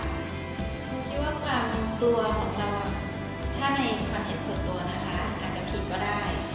คุณคิดว่าความกลัวของเราถ้าในความเห็นส่วนตัวนะคะอาจจะผิดก็ได้